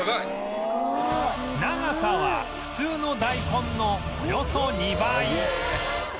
長さは普通の大根のおよそ２倍